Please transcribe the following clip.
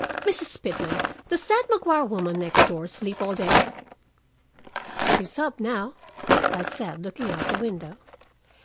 Mrs. Pitman, does that Maguire woman next door sleep all day?" "She's up now," I said, looking out the window.